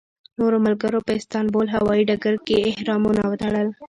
نورو ملګرو په استانبول هوایي ډګر کې احرامونه وتړل.